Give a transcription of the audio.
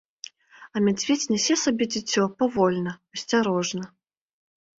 А мядзведзь нясе сабе дзіцё павольна, асцярожна.